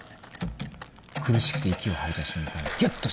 苦しくて息を吐いた瞬間ギュッと締める。